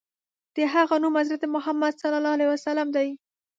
د هغه نوم حضرت محمد ص دی.